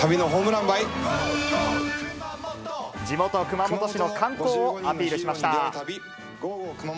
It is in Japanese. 地元、熊本市の観光をアピールしました。